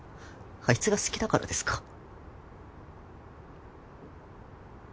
アイツが好きだからですか？